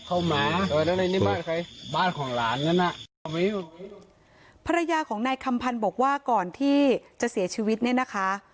บ้านของหลานนั้นน่ะภรรยาของนายคำพันธ์บอกว่าก่อนที่จะเสียชีวิตเนี่ยนะคะ